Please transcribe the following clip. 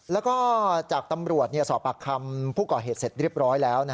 แล้วก็จากตำรวจสอบปากคำผู้ก่อเหตุเสร็จเรียบร้อยแล้ว